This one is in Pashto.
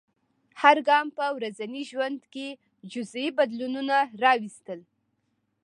هر ګام په ورځني ژوند کې جزیي بدلونونه راوستل.